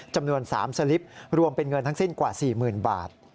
จำนวน๓สลิปรวมเป็นเงินทั้งสิ้นกว่า๔๐๐๐บาท